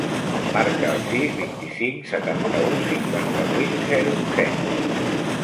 Marca el sis, vint-i-cinc, setanta-u, cinquanta-vuit, zero, set.